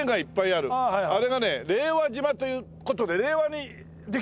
あれがね令和島という事で令和にできたんです。